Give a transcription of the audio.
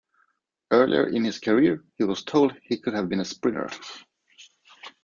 Earlier in his career he was told that he could have been a sprinter.